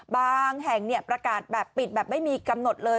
บางแห่งประกาศแบบปิดแบบไม่มีกำหนดเลย